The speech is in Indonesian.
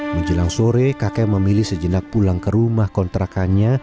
menjelang sore kakek memilih sejenak pulang ke rumah kontrakannya